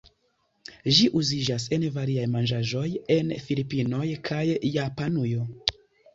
Ĝi uziĝas en variaj manĝaĵoj en Filipinoj kaj Japanujo.